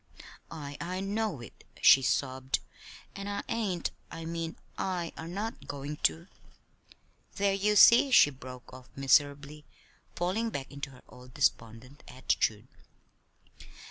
"I I know it," she sobbed; "and I ain't I mean, I are not going to. There, you see," she broke off miserably, falling back into her old despondent attitude.